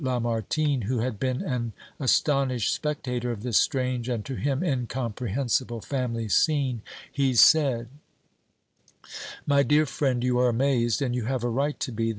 Lamartine, who had been an astonished spectator of this strange and to him incomprehensible family scene, he said: "My dear friend, you are amazed, and you have a right to be.